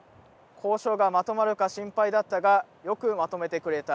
交渉がまとまるか心配だったが、よくまとめてくれた。